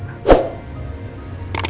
saya gak minta yang lain